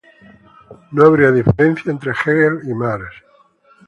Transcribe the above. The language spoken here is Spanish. No habría diferencia entre Hegel y Marx.